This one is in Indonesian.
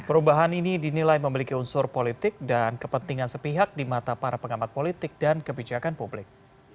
perubahan ini dinilai memiliki unsur politik dan kepentingan sepihak di mata para pengamat politik dan kebijakan publik